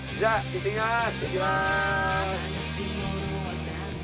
いってきます！